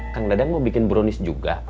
kang dadang mau bikin brownies juga